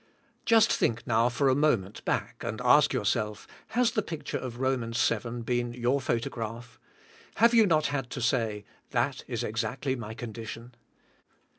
Just think now for a moment back and ask yourself, Has the picture of Romans seven been your pho tog raph; have you not had to say, "That is exactly my condition?